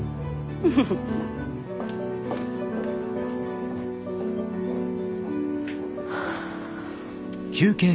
フフフフ。はあ。